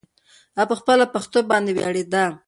هغه په خپله پښتو باندې ډېره ویاړېده.